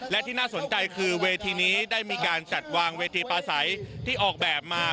และที่น่าสนใจคือเวทีนี้ได้มีการจัดวางเวทีปลาใสที่ออกแบบมา